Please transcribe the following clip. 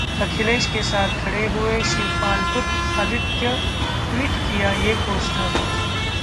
अखिलेश के साथ खड़े हुए 'शिवपाल-पुत्र' आदित्य, ट्वीट किया ये पोस्टर